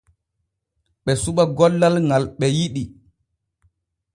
Ɓe suɓa gollal ŋal ɓe yiɗi.